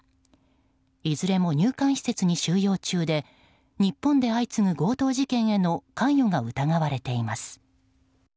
いずれも入管施設に収容中で日本で相次ぐ強盗事件への関与が疑われています。